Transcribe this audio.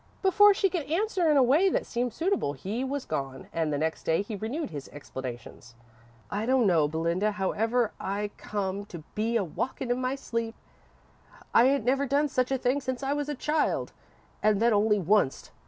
Before she could answer in a way that seemed suitable, he was gone, and the next day he renewed his explanations. "I dunno, Belinda, how I ever come to be a walkin' in my sleep. I ain't never done such a thing since I was a child, and then only wunst.